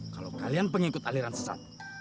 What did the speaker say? kalau kalian pengikut aliran sesat